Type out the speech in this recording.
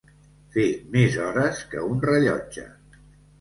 Fer més hores que un rellotge.